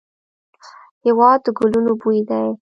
هېواد د ګلونو بوی دی.